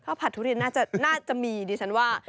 ผัดทุเรียนน่าจะมีดิฉันว่า